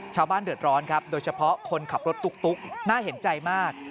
ชาวบ้านเดือดร้อนครับโดยเฉพาะคนขับรถตุ๊กน่าเห็นใจมาก